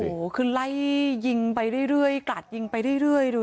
โอ้โหคือไล่ยิงไปเรื่อยกราดยิงไปเรื่อยดู